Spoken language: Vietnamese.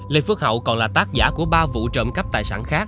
lê phước hậu còn là tác giả của ba vụ trộm cắp tài sản khác